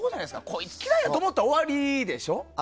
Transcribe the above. こいつ嫌いだと思ったら終わりでしょ？